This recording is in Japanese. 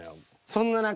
そんな中。